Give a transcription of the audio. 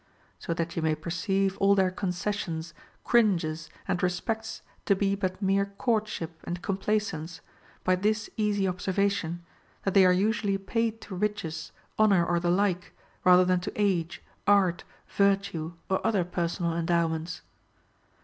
So that you may perceive all their concessions, cringes, and respects to be but mere courtship and complaisance, by this easy observation, that they are usually paid to riches, honor, or the like, rather than to age, art, virtue, or other personal endowments.